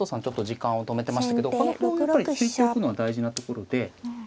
ちょっと時間を止めてましたけどこの歩を突いておくのは大事なところで。